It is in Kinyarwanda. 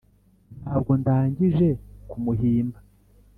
Ntabwo ndangije kumuhimba